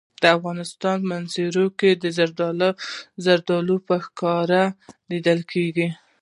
د افغانستان په منظره کې زردالو په ښکاره لیدل کېږي.